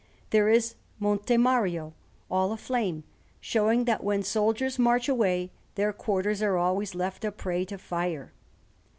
There is Monte Mario, all aflame, showing that when soldiers march away, their quarters are always left a prey to fire.